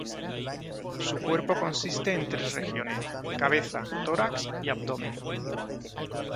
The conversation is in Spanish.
Su cuerpo consiste en tres regiones: cabeza, tórax y abdomen.